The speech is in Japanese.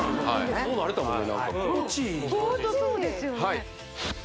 もう慣れたもんね